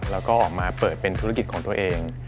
เราก็ออกมาเปิดเป็นธุรกิจตัวเอง